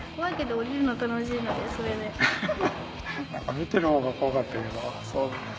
見てるほうが怖かったけど。